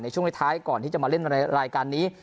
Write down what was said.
ช่วงท้ายก่อนที่จะมาเล่นในรายการนี้